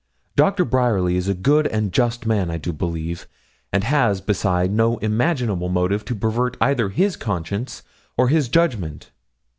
Doctor Bryerly is a good and just man, I do believe, and has, beside, no imaginable motive to pervert either his conscience or his judgment.